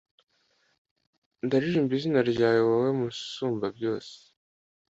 ndaririmba izina ryawe wowe Musumbabyose